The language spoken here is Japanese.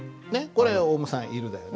これオウムさん「いる」だよね。